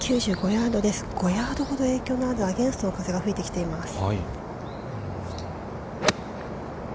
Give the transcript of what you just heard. ５ヤードほど影響のあるアゲインストの風が吹いてきています。